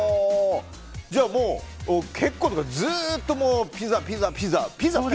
じゃあもう、結構ずっとピザピザピザと。